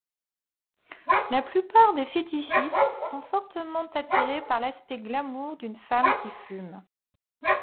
La plupart des fétichistes sont fortement attirés par l'aspect glamour d'une femme qui fume.